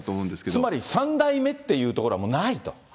つまり、３代目っていうところはもうないと。